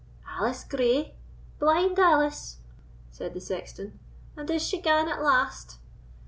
"Alice Gray!—blind Alice!" said the sexton; "and is she gane at last?